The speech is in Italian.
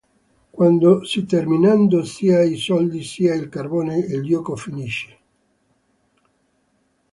Quando si terminano sia i soldi sia il carbone il gioco finisce.